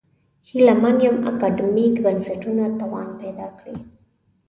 هیله من یم اکاډمیک بنسټونه توان پیدا کړي.